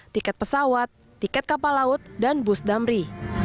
tiket pesawat tiket kapal laut dan bus damri